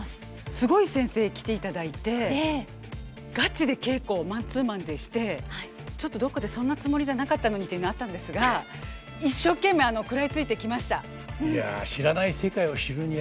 すごい先生来ていただいてガチで稽古をマンツーマンでしてちょっとどっかで「そんなつもりじゃなかったのに」というのあったんですが一生懸命食らいついてきました。